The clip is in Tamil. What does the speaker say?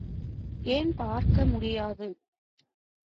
ஏன் பார்க்க முடியாது?